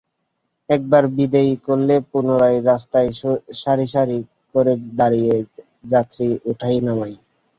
একবার বিদেয় করলে পুনরায় রাস্তায় সারি সারি করে দাঁড়িয়ে যাত্রী ওঠায়-নামায়।